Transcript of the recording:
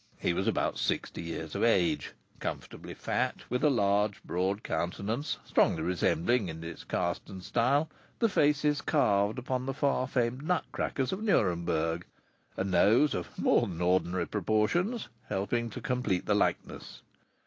He was about sixty years of age, comfortably fat, with a large, broad countenance, strongly resembling in its cast and style the faces carved upon the far famed nutcrackers of Nuremberg; a nose, of more than ordinary proportions, helping to complete the likeness.